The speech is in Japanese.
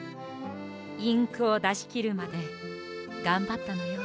インクをだしきるまでがんばったのよ。